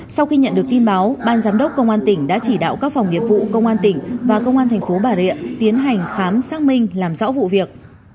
sau khi nhận được tin báo ban giám đốc công an tỉnh đã chỉ đạo các phòng nghiệp vụ công an tỉnh và công an thành phố bà rịa tiến hành khám xác minh làm rõ vụ việc